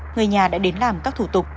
người nhà đã đến làm các thủ tục